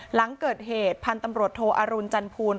หลังเกิดเหตุพันธุ์ตำรวจโทอรุณจันภูล